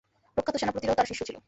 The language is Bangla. প্রখ্যাত সেনাপতিরাও তাঁর শিষ্য ছিল।